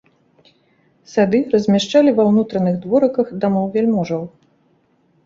Сады размяшчалі ва ўнутраных дворыках дамоў вяльможаў.